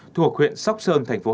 thuộc huyện sóc sơn tp hà nội